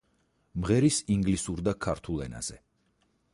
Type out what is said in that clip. მღერის ინგლისურ და ქართულ ენაზე.